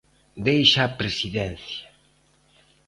Deixa a presidencia.